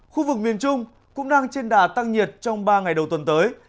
khu vực miền trung cũng đang trên đà tăng nhiệt trong ba ngày đầu tuần tới